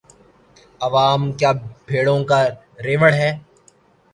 عوام کیا بھیڑوں کا ریوڑ ہے؟